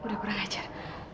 udah kurang ajar